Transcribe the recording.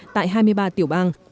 tại hai mươi ba tiểu bang